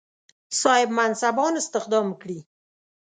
صاحب منصبان استخدام کړي.